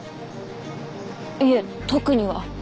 いえ特には。